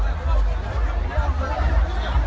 สวัสดีครับทุกคน